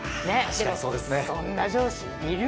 でも、そんな上司いる？